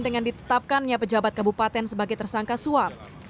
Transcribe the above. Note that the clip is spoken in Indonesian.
dengan ditetapkannya pejabat kabupaten sebagai tersangka suap